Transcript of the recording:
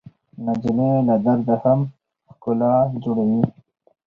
نجلۍ له درده هم ښکلا جوړوي.